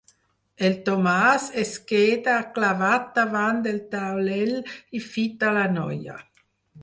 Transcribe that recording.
El Tomàs es queda clavat davant del taulell i fita la noia.